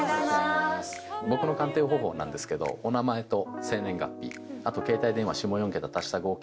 僕の鑑定方法なんですけどお名前と生年月日あと携帯電話下４桁足した合計数字で見ます。